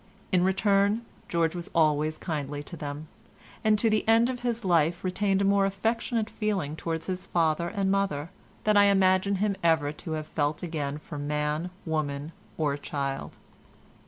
In return, George was always kindly to them, and to the end of his life retained a more affectionate feeling towards his father and mother than I imagine him ever to have felt again for man, woman, or child.